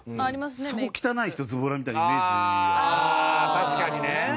確かにね。